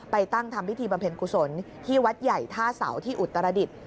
ไปตั้งทำพิธีบำเพ็ญกุศลที่วัดใหญ่ท่าเสาที่อุตรดิษฐ์